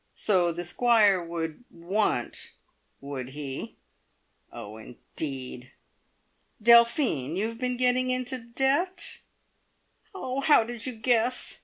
(So the Squire would "want," would he? Oh, indeed!) "Delphine! you have been getting into debt?" "Oh, how did you guess?"